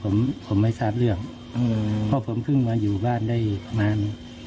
ผมผมไม่ทราบเรื่องเพราะผมเพิ่งมาอยู่บ้านได้ประมาณ